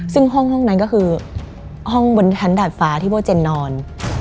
ซึ่งห้องนั้นก็คือห้องบนชั้นดาดฟ้าที่พวกเจนนอน